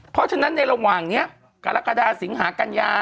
เพราะฉะนั้นในระหว่างนี้กรกฎาสิงหากัญญา